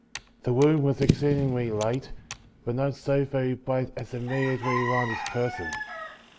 The room was exceedingly light, but not so very bright as immediately around his person.